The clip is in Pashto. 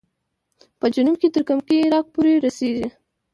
په جنوب کې تر کمکي عراق پورې رسېږي.